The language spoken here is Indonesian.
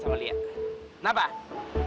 hei pak teran